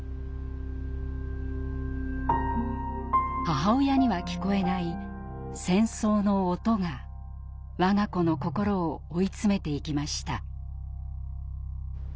母親には聞こえない「戦争の音」がわが子の心を追い詰めていきました。